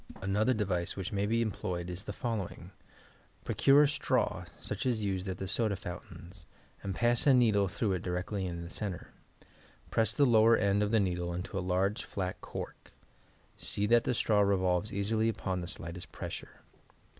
Another device which may be employed is the following : Procure a straw such as used at the soda fountaina, and pass a needle through it directly in the centre. Press the lower end of the needle into a large, flat cork ; see that the straw revolves easily upon the slightest pressure.